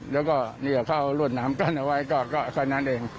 แล้วก็เข้ารวดน้ำกั้นเอาไว้ก็แค่นั้นเอง